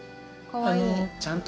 おかわいい。